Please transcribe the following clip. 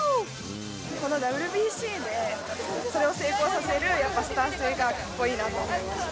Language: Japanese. このＷＢＣでそれを成功させる、やっぱスター性がかっこいいなと思いました。